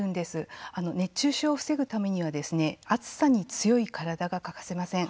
熱中症を防ぐためには暑さに強い体が欠かせません。